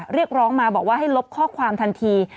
เรียกร้องมาบอกว่าให้ลบข้อความทันที